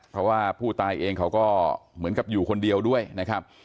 เพราะว่าผู้ตายเองเขาก็เหมือนกับอยู่คนเดียวด้วยนะครับ